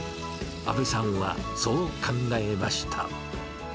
阿部さんは、そう考えました。